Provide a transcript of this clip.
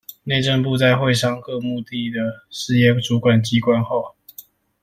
內政部在會商各目的事業主管機關後